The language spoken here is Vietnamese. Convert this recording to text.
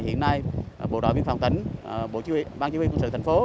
hiện nay bộ đội biên phòng tỉnh ban chí huy công sự thành phố